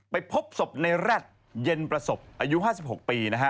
ไปพบศพในแร่ดเย็นประศพอายุ๕๖ปี